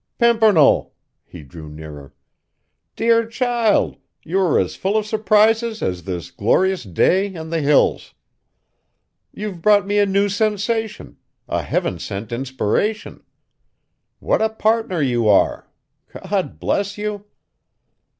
"Pimpernel!" he drew nearer; "dear child, you are as full of surprises as this glorious day and the Hills. You've brought me a new sensation, a heaven sent inspiration. What a partner you are! God bless you!"